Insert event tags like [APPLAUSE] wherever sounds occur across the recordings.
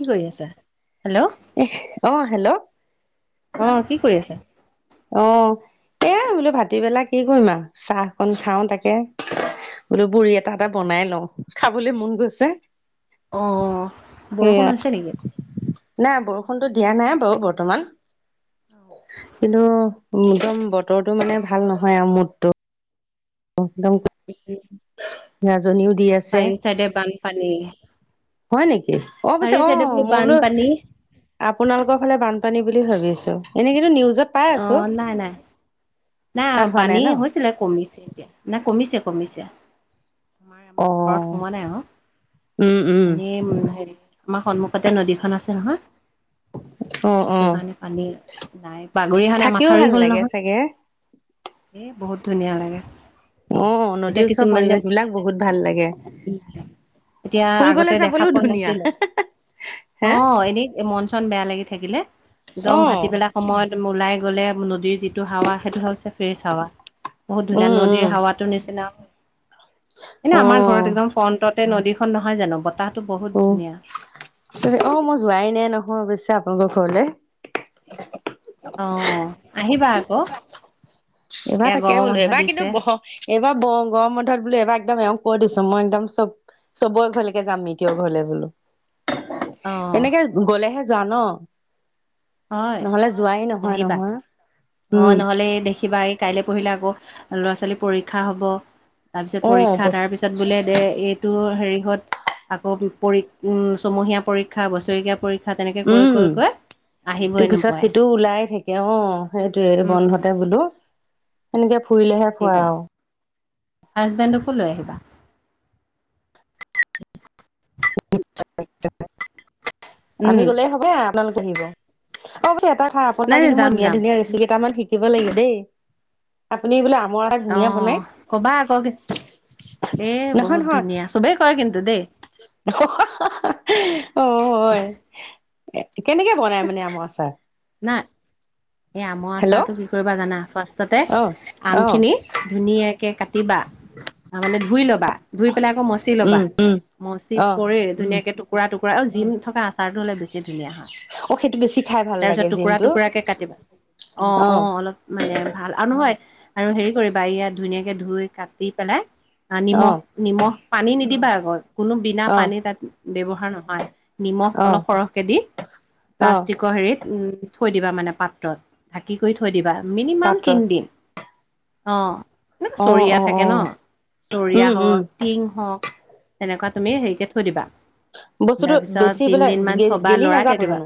কি কৰি আছা? এ অৱ হেল্ল' অৱ কি কৰি আছা? অ এয়াই বোলো ভাতিবেলা কি কৰিম আৰু চাহকন খাও তাকে বোলো বুঢ়ী এটা এটা বনাই লওঁ খাবলে মন গৈছে [UNINTELLIGIBLE] আহ সেয়া বৰষুণ হৈছে নেকি? নাই বৰষুণতো দিয়া নাই বাৰু বৰ্তমান [UNINTELLIGIBLE] কিন্তু একদম বতৰটো মানে ভাল নহয় আৰু মোতটো [INAUDIBLE] জনীও দি আছে। পানী হয় নেকি অ পিছে অ মই বোলো বানপানী আপোনালোকৰ ফালে বানপানী বুলি ভাবিছো এনেকেটো নিউজ অ নাই নাই নাই তাত হোৱা নাই পানী ন হৈছিলে কমিছে এতিয়া নাই কমিছে কমিছে, আমাৰ আমাৰ অ ঘৰত সোমোৱা নাই অ উম উম এনেই হেৰি আমাৰ সন্মুখতে নদীখন আছে নহয় অ অ সেইটো কাৰণে পানী নাই বাগৰি অহা নাই থাকিও মাথাউৰী ভাল হ'ল লাগে চাগে নহয় এ বহুত ধুনীয়া লাগে। আহ এতিয়া নদীৰ ওচৰৰ কিছুমানে পৰিৱেশ বিলাক বহুত ভাল লাগে এতিয়া ফুৰিবলৈ আগতে দেখা যাবলৈও পোৱা ধুনীয়া নাছিলে, হে অৱ এনেই মন চন বেয়া লাগি থাকিলে একদম ভাটি বেলা সময়ত ওলাই গ'লে নদীৰ যিটো হাৱা সেইটো হৈছে ফ্ৰেচ হাৱা বহুত ধুনীয়া উম উম নদীৰ হাৱাতটো নিচিনা এনে অ আমাৰ ঘৰত একদম ফ্ৰণ্টতে নদীখন নহয় জানো ব অ ত অ মই যোৱাই নাই নহয় অৱশ্যে আপোনালোকৰ ঘৰলে অ আহিবা আকৌ, এইবাৰ এয়া তাকে গৰমৰ বোলো বন্ধ এইবাৰ কিন্তু দিছে ব এইবাৰ ব গৰম বন্ধত বোলো এইবাৰ একদম এওঁক কৈ দিছো। মই একদম চব চবৰে ঘৰলৈকে যাম মিতীয় ঘৰলে বোলো। অ', এনেকে গলেহে যোৱা ন হয় নহলে যোৱাই নহয় আহিবা নহয় অ উম নহ'লে দেখিবা এই কাইলৈ পঢ়িলে আকৌ ল'ৰা ছোৱালীৰ পৰীক্ষা হ'ব তাৰপিছত অ পৰীক্ষা তাৰ পিছত বোলে দে এইটো সেৰিহত আকৌ পৰিক্ষীয়া ছমহীয়া পৰিক্ষীয়া বছৰেকীয়া পৰিক্ষীয়া কথা তেনেকে কৈ কৈ কৈ আহিবই ইতোৰ পিছত নোপোৱাই সিটো ওলাই থাকে অ সেইটোৱে উম বন্ধতে বোলো সেনেকে ফুৰিলেহে ফোৱা আহিবা আৰু হাজবেণ্ডকো লৈ আহিবা, আমি উম গলেই হবয়ে আ আপোলোক আহিব অ এটা কথা আপোনাৰ নাই পৰা নাই কিন্তু মই যাম ধুনীয়া যাম ধুনীয়া ৰেচিপি কেইটামান শিক থাকিব লাগিব দেই আপুনি বোলে ৰ অ ধুনীয়া বনাই ক'বা আকৌ এ নহয় বহুত নহয় ধুনীয়া চবেই কয় কিন্তু দেই অহ অ হেই হেই অ হয়, এ কেনেকে বনাই মানে আমৰ আচাৰ? নাই এই আমৰ হেল্ল' অ আচাৰটো কি কৰিবা জানা ফাৰ্ষ্টতে অ আমখিনি ধুনীয়াকে কাটিবা মানে ধুই লবা ধুই পেলাই আকৌ মচি লবা উম উম মচি অ কৰি ধুনীয়াকে টুকুৰা টুকুৰা আৰু জিম থকা আচাৰটো হ'লে বেছি ধুনীয়া হয় অ সেইটো বেছি খাই ভাল লাগে তাৰপিছত টুকুৰা জিমটো টুকুৰাকে কাটিবা অ অ অলপ মানে ভাল আৰু নহয় আৰু হেৰি কৰিবা ইয়াত ধুনীয়াকে ধুই কাটি পেলাই আহ অ নিমখ নিমখ পানী নিদিবা আকৌ কোনো বিনা অ পানী তাত ব্যৱহাৰ নহয়, অ নিমখ অলপ সৰহকে দি অ প্লাষ্টিকৰ হেৰিত থৈ দিবা মানে পাত্ৰত ঢাকি কৰি থৈ দিবা মিনিমাম পাত্ৰত তিনি দিন অ এনে অ চৰিয়া অ অ থাকে ন চৰিয়া উম উম হওক টিং হওক তেনেকুৱা তুমি হেৰিকে থৈ দিবা বস্তুটো তাৰপিছত বেছি বোলে তিনদিনমান থবা গেলি লৰাই নাযাব থাকিবা জানো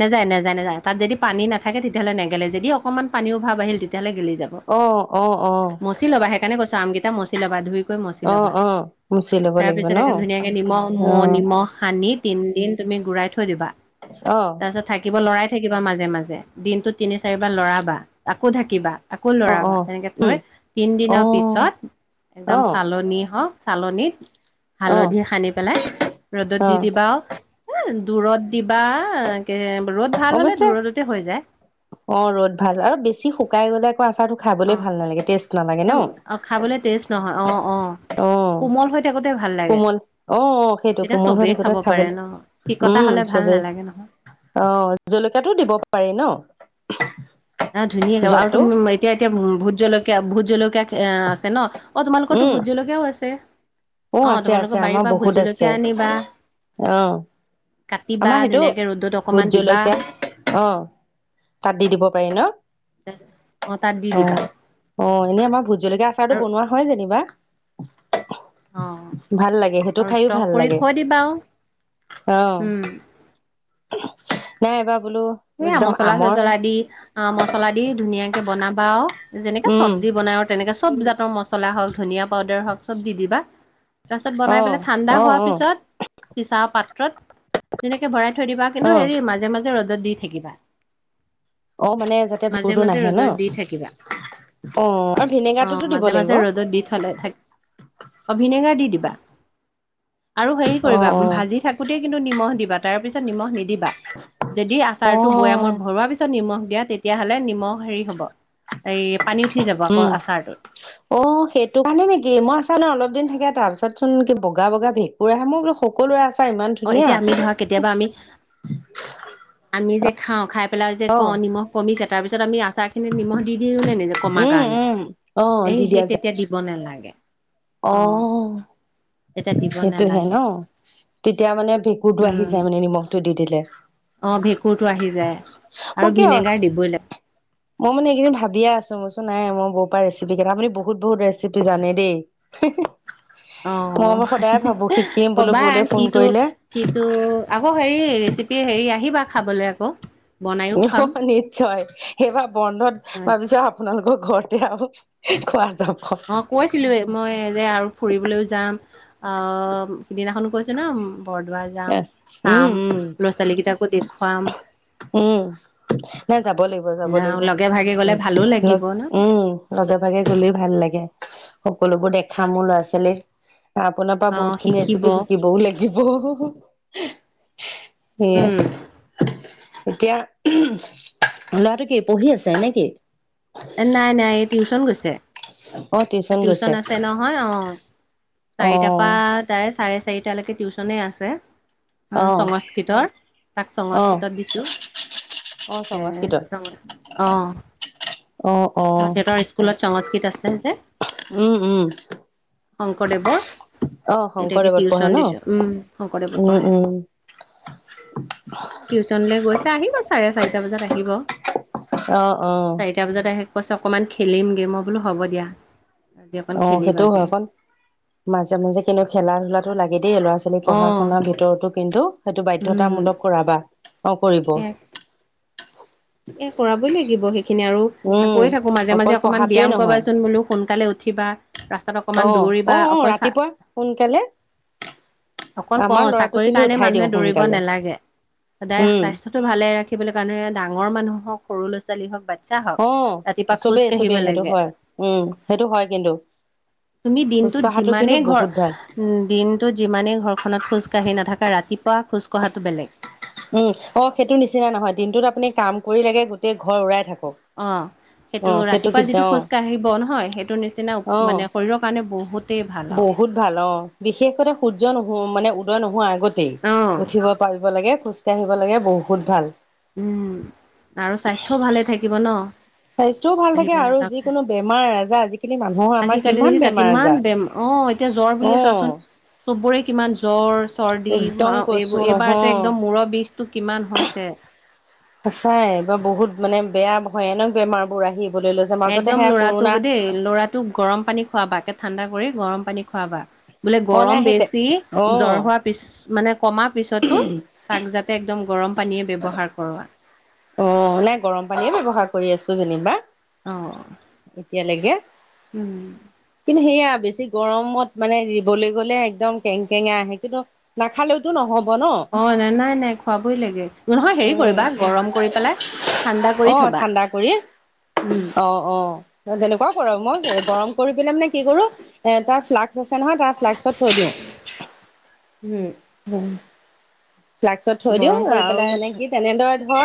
নেযায় নেযায় নাযায় তাত যদি পানী নাথাকে তেতিয়াহ'লে নেগেলে যদিকমান পানীও অকমান পানী অভাৱ আহিল তেতিয়াহলে গেলি যায় অ অ অ মচি ল'বা সেইকাৰণে কৈছো আমকেইটা মচি ল'বা ধুই মচি অ ল'বা অ মুচি ল'ব তাৰ লাগিব পিছত ন ধুনীয়াকে নিমখ অ নিমখ সানিত তিনিদিন তুমি ঘূৰাই থৈ দিবা অ তাৰপিছত থাকিব লৰাই থাকিবা মাজে মাজে দিনটোত তিনি চাৰিবাৰ লৰাবা আকৌ ধাকিবা। আকৌ অ অ লৰাবা তেনেকৈ উম থৈ অ তিনিদিনৰ পিছত একদম অ চালনী হওক চালনীত অ হালধি সানি পেলাই ৰ'দত অ দি দিবাও, দূৰত দিবা ৰ'দ ভাল হ'লে অৱশ্যে দূৰততে হৈ যায়। অ ৰ'দ ভাল আৰু বেছি শুকাই গ'লে আকৌ আচাৰটো খাবলৈ অ', ভাল নালাগে টেষ্ট নালাগে ন অ খাবলে টেষ্ট নহয় অ অ অ কোমল হৈ থাকোতে ভ কোমল অ অ সেইটো কোমল হৈ থাকোতে খাব পাৰে খাবলে ন চিকতা উম হ'লে ভাল চবেই, নালাগে নহয় অ জলকীয়াটো দিব পাৰি ন অ ধুনীয়াকৈ আৰু জলটো তুম এতিয়া এতিয়া ভোত জলকীয়া ভোত জলকীয়া আছে ন অ তোমালোকৰো ভোত জলকীয়াও আছে উ অ', আছে আছে তোমালোকৰ বাৰীৰ আমাৰ পৰা ভোট বহুত আছে জলকীয়া আনিবা আহ কাটিবা আমাৰ সেইটো ধুনীয়াকে ৰ'দত ভোট অকমান দিবা জলকীয়া অ তাত দি দিব পাৰে ন তাত দি অ দিবা অ এনেই আমাৰ ভোট জলকীয়া আচাৰটো আৰু বনোৱা হয় যেনিবা অ', ভাল লাগে সেইটো আৰু খাইও ষ্টক ভাল কৰি লাগে থৈ দিবা আৰু আহ উম নাই এবাৰ সেয়া একদম মচলা আমৰ চচলা দি আম চলা দি ধুনীয়াকে বনাবা আৰু যেনেকে উম চব্জি বনাই আৰু তেনেকে চব জাত মছলা হওক ধনিয়া পাউদাৰ হওক চব দি দিবা তাৰ পিছত অ বনাই পেলাই ঠাণ্ডা অ হোৱাৰ অ পিছত চিচা পাত্ৰত তেনেকে ভৰাই থৈ দিবা কিন্তু অ হেৰি মাজে মাজে ৰ'দত দি থাকিবা অ মানে যাতে মাজে ভেঁকুৰটো মাজে নাহে ন ৰ'দত দি থাকিবা অ আৰু ভিনেগাৰটোতো অ দিব মাজে লাগিব মাজে অ ৰ'দত বি থ হলে থাক ভিনেগাৰ দি দিবা আৰু হেৰি অ কৰিবা ভাজি থাকোতে কিন্তু নিমখ দিবা তাৰ পিছত নিমখ নিদিবা যদি আ অ তাৰটো বৈয়ামত ভৰোৱা পিছত নিমখ দিয়া তেতিয়াাহলে নিমখ হেৰি হ'ব এই পানী উঠি যাব আকৌ উম আচাৰটো অ সেইটো কাৰণে নেকি মই আছা ন অলপ থাকে তাৰ পিছত চোন কি বগা বগা ভেঁকুৰ আহে মোৰ বোলো সকলোৰে আছে অ এতিয়া আমি ধৰা কেতিয়াবা আমি আমি যে খাওঁ খাই পেলাই যে অ কওঁ নিমখ কমিছে তাৰ পিছত আমি চাহ খিনিত নিমখ দি দিলো নে নিজ কমাৰ উম কাৰণে উম অ এই দি সেই দিয়া যায় তেতিয়া দিব নালাগে অ হ তেতিয়া দিব সেইটো হে নালাগে ন তেতিয়া মানে ভেঁকুৰটো আহি উম। যায় মানে নিমখটো দি দিলে অ ভেঁকুৰটো আহি যায় মই আৰু কিয় ভিনেগাৰ দিবই লাগে। মই মানে এইেইদিন ভাবিয়ে আছো মইচোন নাই মই বৌ পৰা ৰেচিপি কেইটা আপুনি বহুত বহুত ৰেচিপি জানে দেই। হে হে অ, শিকিম বোলো কবা বৌলে ফোন কিটো কৰিলে কিটো আকৌ হেৰি। ৰেচিপি হেৰি আহিবা খাবলৈ আকৌ। বনায়ো অ খুৱাম নিশ্চয় সেইবাৰ বন্ধত ভাবিছো আপোনালোকক। ঘৰতে আৰু খোৱা য। অ কৈছিলো মই যে আৰু ফুৰিবলৈও যাম। অ সিদিনাখনো কৈছো ন। বৰদোৱা যাম উম চাম, উম ল'ৰা ছোৱালী কেইটাকো দেখুৱাম। উম ন। যাব লাগিব যাব ন লাগিব, লগে ভাগে গলে ভালো লাগিব ন উম লগে ভাগে গলে ভাল লাগে। সকলোবোৰ দেখাম মোৰ ল'ৰা ছোৱালীৰ। আপোনাৰ পৰা অ বহুত খিনি শিকিব ৰেচিপি শিকিবও লাগিব। উম সে। এতিয়া ল'ৰাটো কি পঢ়ি আছে নে কি। নাই নাই এই টিউচন গৈছে, অ টিউচন গৈছে আছে নহয় অ। অ চাৰিটাৰ পৰা তাৰে চাৰে চাৰিটালৈকে টিউশচনে আছে। অ সংস্কৃতৰ তাক, অ সংস্কৃতত দিছোঁ। অ এ সংস্কৃতত চয় আহ। অ অ সিহঁতৰ স্কুলত চঙকিত আছে যে। উম উম। শংকৰদেৱৰ। অ এতিকে শংকৰদেৱত পঢ়ে টিউচন ন দিছো উম শংকৰদেৱত উম পঢ়া। উম টিউচনৈ গৈছে আহিব চাৰে চাৰিটা বজাত আহিব। অ অ চাৰিটা বজাত আহি কৈছে অকমান খেলিমগে মই বোলো হ'ব দিয়া। আজি অকণ অ সেইটোও খেলিবাগে হয়কণ, মাজে মাজে কিন্তু খেলা ধূলাটো লাগে দেই ল'ৰা ছোৱালী। লৰা পোৱালি অ পঢ়া শুনাৰ ভিতৰতো কিন্তু। উম ধতামূলক কৰাবা অকৰি। এ এ কৰাবই লাগিব সেইখিনি আৰু উম কৈ থাকো মাজে অকল মাজে অকমান পঢ়াটোৱে ব্যায়াম নহয় কৰিবাচোন বোলো সোনকালে উঠিবা। ৰাস্তাত অ অকমান অ দৌৰিবা অ অকল চা ৰাতিপুৱা সোনকালে অকল কও আমাৰ ল'ৰাটো চাকৰি কিন্তু কাৰণে উঠাই দিওঁ মানুহে দৌৰিব সোনকালে নালাগে, সদায় উম স্বাস্থ্যটো ভালে ৰাখি থাকিবলৈ কাৰণে ডাঙৰ মানুহ হওক সৰু ল'ৰা-ছোৱালী হওক বাচ্ছা হওক অ ৰাতিপুৱা খোজ চবেই কাঢ়িব চবেই, সেইটো লাগে হয় উম সেইটো হয় কিন্তু। তুমি খোজ দিনটোত, কঢ়াটো যিমানে কিন্তু ঘৰ বহুত ভাল উ দিনটোত যিমানে ঘৰখনত খোজ কঢ়ী নথাকা ৰাতিপুৱা খোজ কঢ়াটো বেলেগ। উম অ সেইটো নিচিনা নহয় দিনটোত আপুনি কাম কৰি লাগে গোটেই ঘৰ ওৰাই থাকা অ। সেইটো ৰাতিপুৱা যিটো অ খোজ কাঢ়িব নহয় সেইটো নিচিনা অ মানে শৰীৰৰ কাৰণে বহুতেই ভাল আৰু। বহুত ভাল অ বিশেষক সূৰ্য নহো মানে উদয় নোহোৱা আগতেই, উঠিব পাৰিব লাগে খোজকাঢ়িব লাগে বহুত ভাল। উম, আৰু স্বাস্থ্যও ভালে থাকিব ন। স্বাস্থ্যও ভাল আহি থাকে পেলাই আৰু আকৌ খাই। যিকোনো বেমাৰ আজাৰ আজিকালি মানুহৰ আমাৰ আজিকালি কিমান দেখিছা বেমাৰ আজাৰ। বেম অ এতিয়া জ্বৰ অ বুলিয়ে চোৱাচোন চববোৰে কিমান জ্বৰ। চৰ্দি একদম মা কৈছো এইবোৰ এইবাৰ যে নহয় একদম মূৰৰ বিষটো কিমান হৈছে। সঁচাই এইবাৰ বহুত মানে বেয়া ভয়ানক বেমাৰ বোৰ আহি একদম লৰাটোক দেই লৰাটোক গৰম পানী খোৱা বাকে ঠাণ্ডা কৰি। গৰম পানী খোৱাবা বোলে অ নাই গৰম সেই বেছি অ জ্বৰ হোৱা পিছ মানে কমা তাৰ পিছতো তাক যাতে একদম গৰম পানীয়ে ব্যৱহাৰ কৰৱা অ নাই গৰম পানীয়ে ব্যৱহাৰ কৰি আছো যেনিবা অ এতিয়ালৈকে উম কিন্তু সেয়া বেছি গৰমত মানে দিবলৈ গ'লে একদম কেং কেঙা আহে কিন্তু নাখালেওতো নহ'ব ন অ নাই নাই নাই খোৱাবই লাগে নহয় হেৰি উম কৰিবা গৰম কৰি পেলাই ঠাণ্ডা অ কৰি থবা। ঠাণ্ডা কৰি উম অ অ তেনেকুৱাও কৰ মই গৰম কৰি পেলাই মানে কি কৰো এ তাৰ ফ্লাকচ্ আছে নহয় তাৰ ফ্লাক্সত থৈ দিওঁ। উম উম ফ্লাক্সত থৈ দিও গৰম কৰি আৰু পেলাই মানে কি তেনেদৰে ধৰ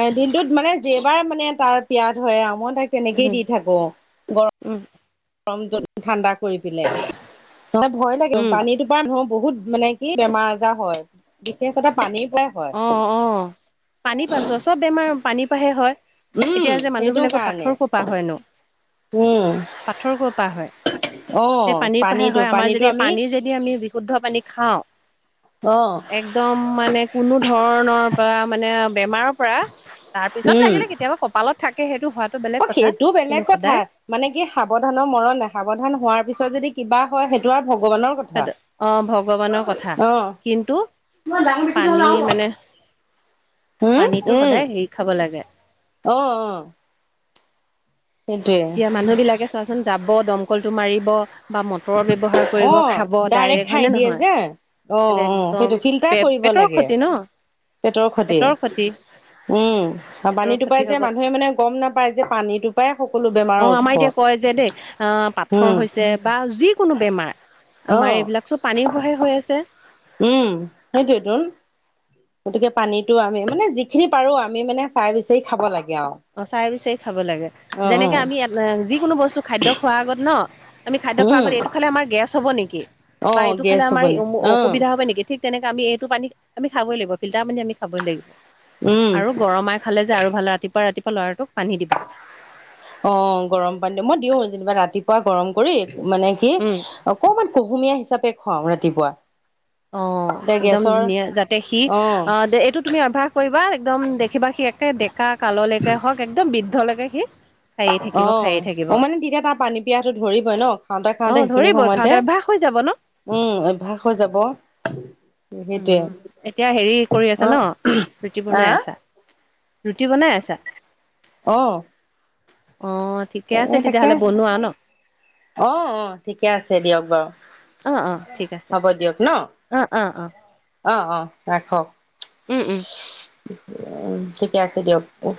এ দিনটোত মানে এবাৰ মানে তাৰ পিয়াহ ধৰে আও মই তাক তেনেকেই উম দি থাকো গৰম উম গৰম ঠাণ্ডা কৰি পেলাই নহয় ভয় লাগে উম পানীটো পৰা ধৱো বহুত মানে কি বেমাৰ আজাৰ হয় বিশেষতে পানীত অ অ পানী পাছ চব বেমাৰ পানীৰ পাহে হয় উম এতিয়া যে মানুহ সেইটো বিলাকৰ কাৰণে পাথৰ কপা হয় নো উম পাথৰ কৰ পা হয় অ সে পানীৰ পৰাহে পানীটো হয় আমাৰ পানীটো যদি আমি পানী যদি আমি বিশুদ্ধ পানী খাওঁ অ একদম মানে কোনো ধৰণৰ পৰা মানে বেমাৰৰ পৰা তাৰ পিছত উম লাগিলে কেতিয়াবা কপালত থাকে সেইটো হোৱাত অ সেইটো বেলেগ কথা মানে কি সাৱধানৰ মৰণ নাই সাৱধান হোৱাৰ পিছত যদি কিবা হয় সেইটো আৰু ভগৱানৰ কথা অ ভগৱানৰ কথা অহ। কিন্তু পানী মানে [UNINTELLIGIBLE] উম পানীটো উম সদায় হেৰি খাব লাগে অ অ সেইটোৱে এতিয়া মানুহ বিলাকে চোৱাচোন যাব দমকলটো মাৰিব বা মটৰৰ ব্যৱহাৰ অ কৰিব খাব ডাইৰেক্ট খাই হয় নে দিয়ে নহয় যে অ এ অ সেইটো একদম ফিল্টাৰ কৰিব [UNINTELLIGIBLE] সিতৰো লাগে ক্ষতি ন পেটৰ খতি উম আৰু পেটৰ পানী টো পাই ক্ষতি হব যে মানুহে মানে গম নাপায় যে পানী টোপায় সকলো বেমাৰৰ অ উৎস আমাৰ এতিয়া কয় যে দেই আহ পাথৰ উম হৈছে বা যিকোনো বেমাৰ আমাৰ অ এইবিলাক চব পানীৰ পৰাহে হৈ আছে। উম সেইটোয়ে তোন গতিকে পানীতো আমি মানে যিখিনি পাৰো আমি মানে চাই বিচাৰি খাব লাগে আৰু অ চাই বিচাৰি খাব লাগে অ অ যেনেকে আমি যিকোনো বস্তু খাদ্য খোৱাৰ আগত ন আমি খাদ্য খোৱাৰ উম আগ এইটো খালে আমাৰ গেছ হ'ব নিকি অ বা এইটো গেছ খালে হ'ব আমাৰ নি এম অ অসুবিধা হব নিকি ঠিক তেনেকে আমি এই পানী আমি খাবই লাগিব ফিল্টাৰ পানি আমি খাবই লাগিব উম আৰু গৰমাই খালে টো আৰু ভাল ৰাতিপুৱা ৰাতিপুৱা ল'ৰাটোক পানী দিবা অ গৰম পানী দি মই দিওঁ যেনিবা ৰাতিপুৱা গৰম কৰি মানে কি উম অকমান কুহুমীয়া হিচাপে খুৱাওঁ ৰাতিপুৱা অ এতিয়া একদম গেছৰ ধুনীয়া যাতে সি অ এইটো তুমি অভ্যাস কৰিবা একদম দেখিবা সি একে ডেক কা কাললেকে হওক একদম বৃদ্ধলেকে সি খায়ে অ থাকিব খায়ে থাকিব অ মানে তেতিয়া তাৰ পানী পিয়াহটো ধৰিব ন খাওঁতে অ খাওতে সেইখিনি ধৰিবই সময়তে খাওঁতে অভ্যাস হৈ যাব ন উম অভ্যাস হৈ যাব সেইটোৱে উম এতিয়া হেৰি কৰি অ আছা ন ৰুটি বনাই আহ আছা ৰুটি বনাই আছা অহ অ ঠিকে অঅ আছে তাকে তেতিয়াহ'লে বনোৱা ন অ অ ঠিকে আছে দিয়ক বাৰু অ অ ঠিক আছে হ'ব দিয়ক ন অ অ অ অ অ ৰাখক উম উম উম ঠিকে আছে দিয়ক উম